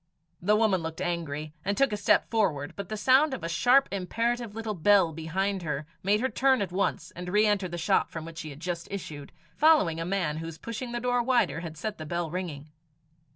The woman looked angry, and took a step forward; but the sound of a sharp imperative little bell behind her, made her turn at once, and re enter the shop from which she had just issued, following a man whose pushing the door wider had set the bell ringing.